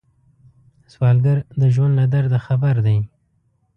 سوالګر د ژوند له درده خبر دی